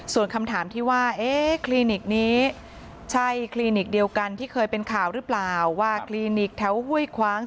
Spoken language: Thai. ส่วนคำถามที่ว่าคลินิกนี้ใช่คลินิกเดียวกันที่เคยเป็นข่าวหรือเปล่าว่าคลินิกแถวห้วยคว้าง